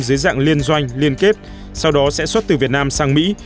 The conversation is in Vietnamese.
dưới dạng liên doanh liên kết sau đó sẽ xuất từ việt nam sang mỹ